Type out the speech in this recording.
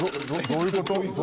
どういうこと？